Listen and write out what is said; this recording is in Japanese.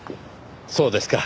そうですか。